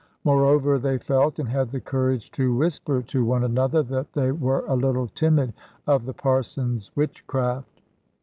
Moreover, they felt, and had the courage to whisper to one another, that they were a little timid of the Parson's witchcraft.